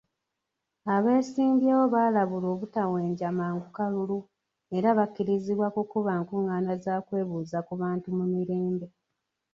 Abeesimbyewo baalabulwa obutawenja mangu kalulu era bakkirizibwa kukuba nkungaana za kwebuuza ku bantu mu mirembe.